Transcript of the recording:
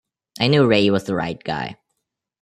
I knew Ray was the right guy.